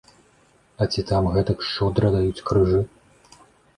А ці там гэтак шчодра даюць крыжы?